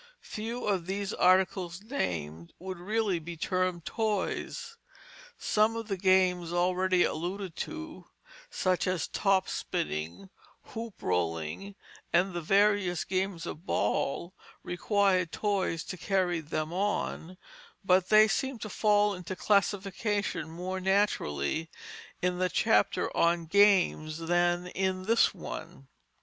Few of these articles named would really be termed toys. Some of the games already alluded to, such as top spinning, hoop rolling, and the various games of ball, required toys to carry them on; but they seemed to fall into classification more naturally in the chapter on games than in this one.